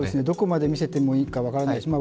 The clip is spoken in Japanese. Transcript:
どこまで見せていいか分からない、